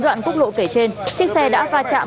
đoạn quốc lộ kể trên chiếc xe đã va chạm